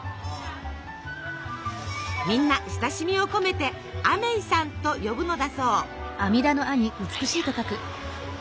みんな親しみを込めてアメイさんと呼ぶのだそう。